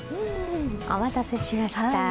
お待たせしました。